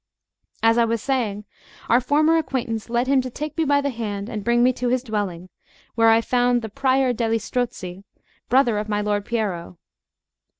As I was saying, our former acquaintance led him to take me by the hand and bring me to his dwelling, where I found the Prior degli Strozzi, brother of my lord Peiro.